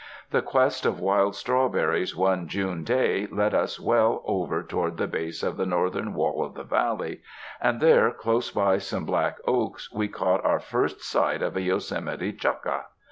The quest of wild strawberries one June day led us well over toward the base of the northern wall of the Valley, and there close by some black oaks we caught our first sight of a Yosemite chuck ah.